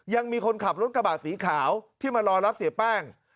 ยังมีคนขับรถกระบะสีขาวที่มารอรับเสียแป้ง